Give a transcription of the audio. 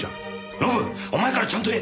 ノブお前からちゃんと言え！